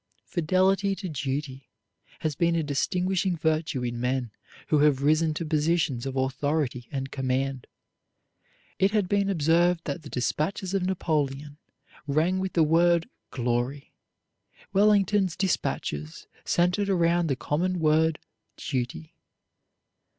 Fidelity to duty has been a distinguishing virtue in men who have risen to positions of authority and command. It has been observed that the dispatches of Napoleon rang with the word glory. Wellington's dispatches centered around the common word duty.